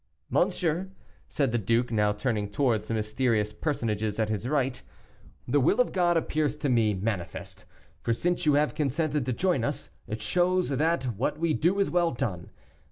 "Monsieur," said the duke, now turning towards the mysterious personages at his right, "the will of God appears to me manifest; for since you have consented to join us, it shows that what we do is well done.